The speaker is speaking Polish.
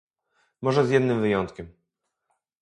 Może z jednym wyjątkiem